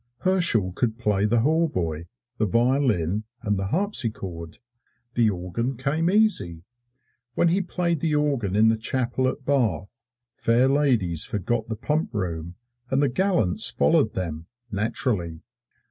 Herschel could play the hautboy, the violin and the harpsichord. The organ came easy. When he played the organ in the Chapel at Bath, fair ladies forgot the Pump Room, and the gallants followed them naturally.